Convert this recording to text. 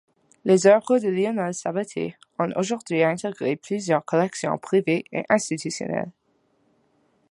Les oeuvres de Lionel Sabatté ont aujourd'hui intégré plusieurs collections privées et institutionnelles.